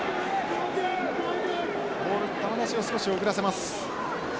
ボール球出しを少し遅らせます。